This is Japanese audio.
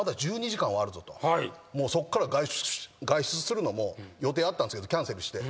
もうそこから外出するのも予定あったんですけどキャンセルして。